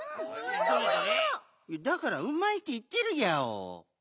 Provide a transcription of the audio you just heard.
だからうまいっていってるギャオ。